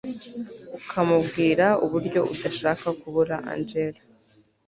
ukamubwira uburyo udashaka kubura angella